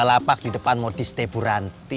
buka lapak di depan modiste bu ranti